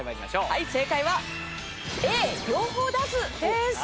はい正解はＡ両方出すです。